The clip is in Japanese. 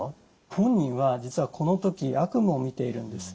本人は実はこの時悪夢をみているんです。